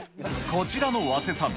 こちらの早稲さん。